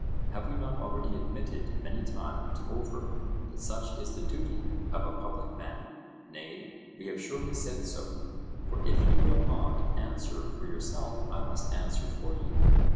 Have we not already admitted many times over that such is the duty of a public man? Nay, we have surely said so; for if you will not answer for yourself I must answer for you.